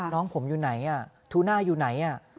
น้องผมอยู่ไหนทูน่าอยู่ไหน